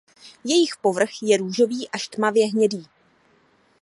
Jejich povrch je růžový až tmavě hnědý.